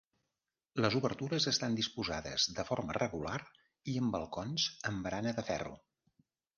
Les obertures estan disposades de forma regular i amb balcons amb barana de ferro.